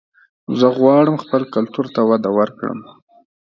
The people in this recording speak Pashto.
زه غواړم خپل کلتور ته وده ورکړم